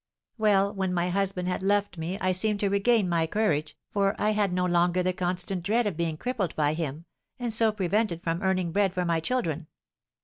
Well, when my husband had left me I seemed to regain my courage, for I had no longer the constant dread of being crippled by him, and so prevented from earning bread for my children.